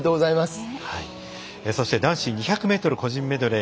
そして男子２００ｍ個人メドレー